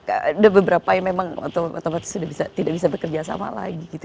ada beberapa yang memang otomatis sudah tidak bisa bekerja sama lagi gitu